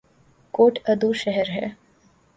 کوٹ ادو شہر ہے